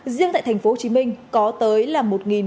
riêng tại tp hcm có tới là